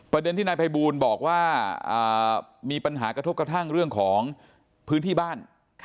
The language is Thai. ประเด็นที่นายภัยบูลบอกว่ามีปัญหากระทบกระทั่งเรื่องของพื้นที่บ้าน